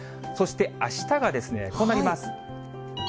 そして、あしたがこうなります。